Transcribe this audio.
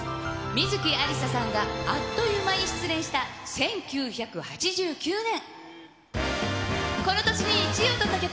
観月ありささんがあっという間に失恋した１９８９年。